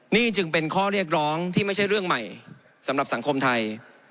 นี่จึงเป็นข้อเรียกร้องที่ไม่ใช่เรื่องใหม่สำหรับสังคมไทย